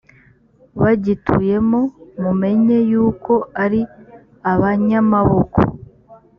bagituyemo mumenye yuko ari abanyamaboko